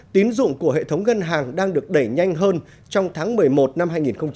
tín dụng của hệ thống ngân hàng đang được đẩy nhanh hơn trong tháng một mươi một năm hai nghìn hai mươi